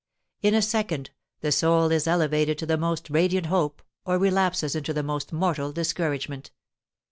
In a second the soul is elevated to the most radiant hope or relapses into the most mortal discouragement.